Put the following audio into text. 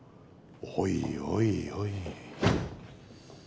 おいおいおい。